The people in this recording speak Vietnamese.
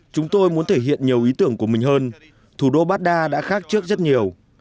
chúng tôi muốn thể hiện nhiều ý tưởng của mình hơn thủ đô baghdad đã khác trước rất nhiều